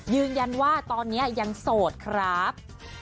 ยืนยันว่าตอนนี้ยังโสดครับ